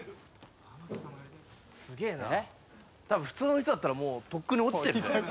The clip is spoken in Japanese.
たぶん普通の人だったらもうとっくに落ちてる。